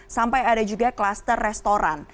sampai ada juga kluster restoran